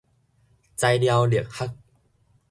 材料力學